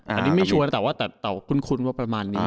อันนี้ไม่ชัวร์แต่ว่าคุ้นว่าประมาณนี้